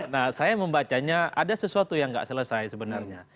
nah saya membacanya ada sesuatu yang nggak selesai sebenarnya